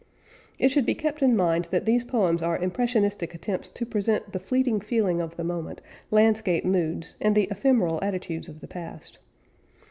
It should be kept in mind that these poems are impressionistic attempts to present the fleeting feeling of the moment, landscape moods, and the ephemeral attitudes of the past.